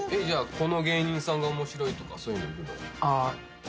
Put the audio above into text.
じゃあこの芸人さんが面白いとかそういうのいるの？